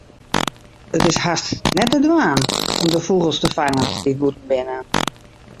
It is hast net te dwaan om de fûgels te fangen dy't bûten binne.